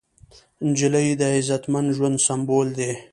نجلۍ د عزتمن ژوند سمبول ده.